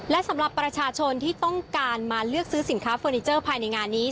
และสำหรับประชาชนที่ต้องการมาเลือกซื้อสินค้าเฟอร์นิเจอร์ภายในงานนี้